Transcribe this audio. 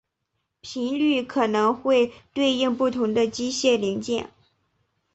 频率可能会对应不同的机械零件。